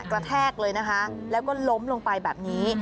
แทกเลยนะคะแล้วก็ล้มลงไปแบบนี้